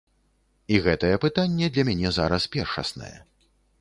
І гэтае пытанне для мяне зараз першаснае.